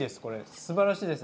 すばらしいですね。